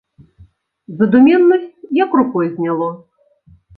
Задуменнасць як рукой зняло.